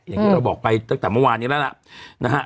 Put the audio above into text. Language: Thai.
อย่างที่เราบอกไปตั้งแต่เมื่อวานนี้แล้วล่ะนะฮะ